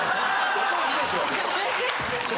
そこいいでしょ。